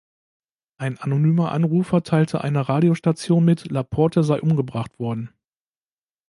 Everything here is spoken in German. Ein anonymer Anrufer teilte einer Radiostation mit, Laporte sei umgebracht worden.